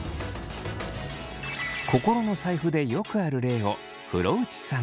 心の財布でよくある例を風呂内さんから。